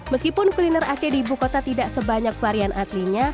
meskipun kuliner aceh di ibu kota tidak sebanyak varian aslinya